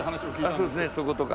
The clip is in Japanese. そうですねそことか。